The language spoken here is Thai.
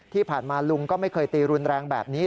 ที่ผ่านมาลุงก็ไม่เคยตีรุนแรงแบบนี้